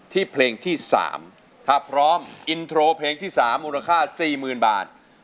ที่เพลงที่สามครับพร้อมอุณหาค่าสี่หมื่นบาท